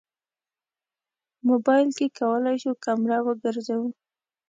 موبایل کې کولی شو کمره وګرځوو.